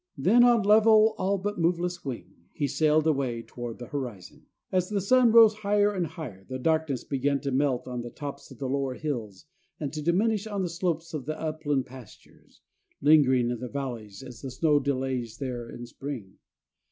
Then on level, all but moveless wing, he sailed away toward the horizon. As the sun rose higher and higher, the darkness began to melt on the tops of the lower hills and to diminish on the slopes of the upland pastures, lingering in the valleys as the snow delays there in spring.